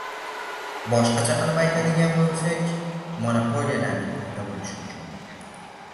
Boshqacha qilib aytadigan bo‘lsak, monopoliyalarning paydo bo‘lishi uchun